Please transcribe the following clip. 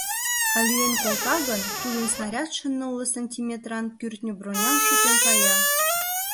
А лӱен колта гын, тудын снарядше нылле сантиметран кӱртньӧ броням шӱтен кая.